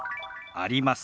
「あります」。